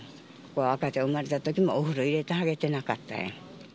赤ちゃん生まれたときも、お風呂入れてあげてなかったやん。